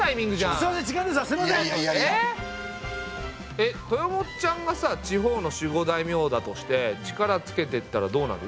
えっ豊本ちゃんがさ地方の守護大名だとして力つけてったらどうなる？